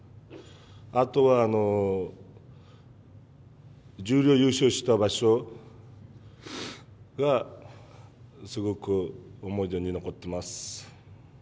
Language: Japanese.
あとは十両優勝した場所がすごく思い出に残っています。